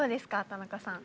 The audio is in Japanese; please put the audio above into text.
田中さん。